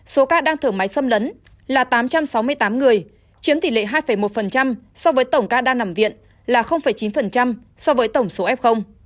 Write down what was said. số ca đang thở máy xâm lấn là tám trăm sáu mươi tám người chiếm tỷ lệ hai một so với tổng ca đang nằm viện là chín so với tổng số f